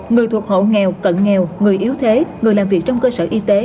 người thuộc hộ nghèo cận nghèo người yếu thế người làm việc trong cơ sở y tế